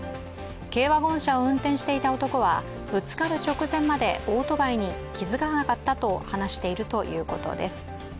軽ワゴン車を運転していた男はぶつかる直前までオートバイに気付かなかったと話しているということです。